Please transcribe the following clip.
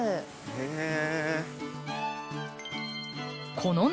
へえ。